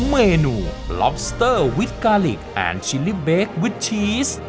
เมนูบล็อบสเตอร์วิทกาลิกแอนชิลลิเบควิดชีส